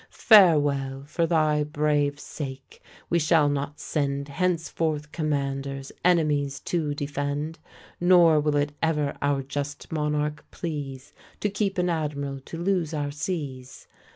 Farewell! for thy brave sake we shall not send Henceforth commanders, enemies to defend; Nor will it ever our just monarch please, To keep an admiral to lose our seas.